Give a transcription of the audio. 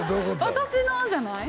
私のじゃない？